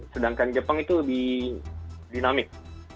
sedangkan jepang itu lebih dinamik